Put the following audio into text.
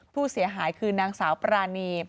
ผู้เสียหายคือนางสาวปรานี